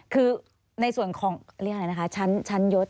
คือในส่วนชั้นยด